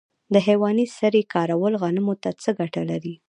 د حیواني سرې کارول غنمو ته څه ګټه لري؟